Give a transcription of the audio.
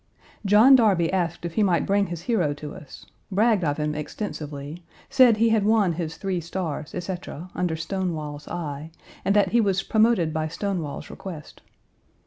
John Darby asked if he might bring his hero to us; bragged of him extensively; said he had won his three stars, etc., under Stonewall's eye, and that he was promoted by Stonewall's request.